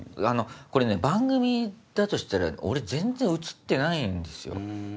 これね番組だとしたら俺全然映ってないんですよ。